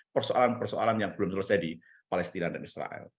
persoalan persoalan yang belum selesai di palestina dan israel